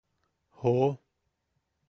¡joo!.